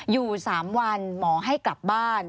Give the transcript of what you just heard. อยู่๓วันหมอให้กลับบ้าน